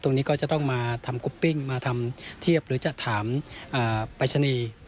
ตรงนี้ก็จะต้องมาทำกุปปิ้งมาทำเทียบหรือจะถามปรายศนีย์